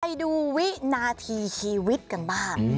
ไปดูวินาทีชีวิตกันบ้าง